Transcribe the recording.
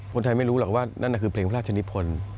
คนไทยไม่รู้หรอกว่านั่นน่ะคือเพลงพระราชนิพล